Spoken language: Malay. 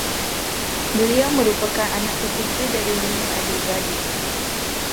Beliau merupakan anak ketiga dari lima adik-beradik